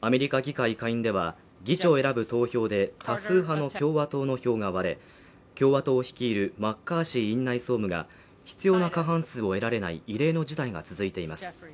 アメリカ議会下院では議長を選ぶ投票で多数派の共和党の票が割れ共和党率いるマッカーシー院内総務が必要な過半数を得られない異例の事態が続いています